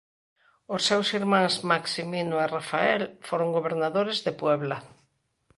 Os seus irmáns Maximino e Rafael foron gobernadores de Puebla.